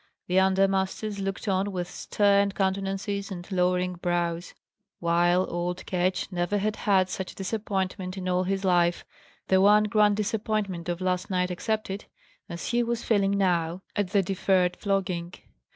The under masters looked on with stern countenances and lowering brows; while old Ketch never had had such a disappointment in all his life (the one grand disappointment of last night excepted) as he was feeling now, at the deferred flogging.